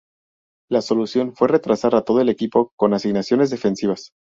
La solución fue retrasar a todo el equipo con asignaciones defensivas.